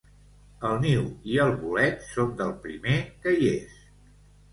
El niu i el bolet són del primer que hi és.